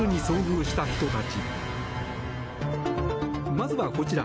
まずはこちら。